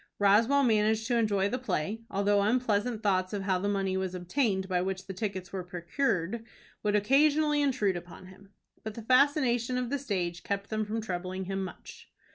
Roswell managed to enjoy the play, although unpleasant thoughts of how the money was obtained by which the tickets were procured, would occasionally intrude upon him. But the fascination of the stage kept them from troubling him much.